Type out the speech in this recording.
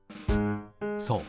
そう。